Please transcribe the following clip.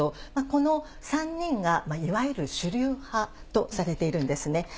この３人がいわゆる主流派とされているんですね。